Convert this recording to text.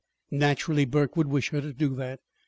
Naturally Burke would wish her to do that.